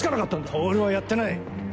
⁉透はやってない。